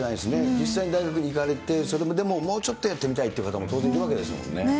実際に大学に行かれて、それでももうちょっとやってみたい方も当然いるわけですもんね。